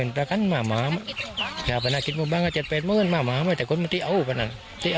บ้านก็๗๘หมื่นบาทมากแต่คนไม่ได้เอาแบบนั้น